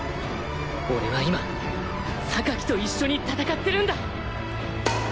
俺は今と一緒に戦ってるんだ